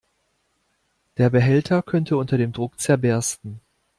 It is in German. Der Behälter könnte unter dem Druck zerbersten.